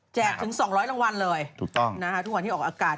ถึง๒๐๐รางวัลเลยทุกวันที่ออกอากาศ